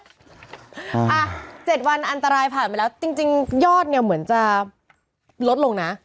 อ่ะ๗วันอันตรายผ่านไปแล้วจริงยอดเนี่ยเหมือนจะลดลงนะ